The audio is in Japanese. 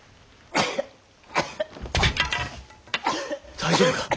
大丈夫か？